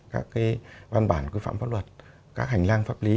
các văn bản quy phạm pháp luật các hành lang pháp lý